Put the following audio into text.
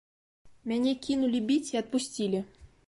Мяне кінулі біць і адпусцілі.